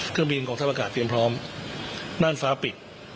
เครื่องบินของทัพอากาศเตรียมพร้อมน่านฟ้าปิด